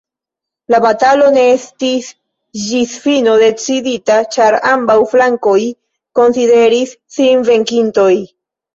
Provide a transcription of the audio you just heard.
La batalo ne estis ĝis fino decidita ĉar ambaŭ flankoj konsideris sin venkintoj.